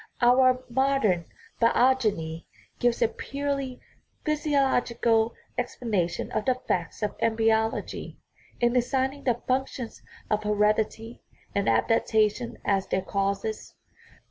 Our modern biogeny gives a purely physiological ex planation of the facts of embryology, in assigning the functions of heredity and adaptation as their causes.